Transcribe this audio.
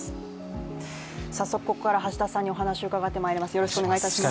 早速、ここから橋田さんにお話伺ってまいります。